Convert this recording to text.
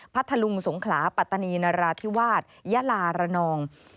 ทะลุงสงขลาปัตตานีนราธิวาสยะลาระนอง